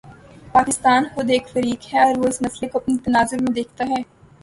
پاکستان خود ایک فریق ہے اور وہ اس مسئلے کو اپنے تناظر میں دیکھتا ہے۔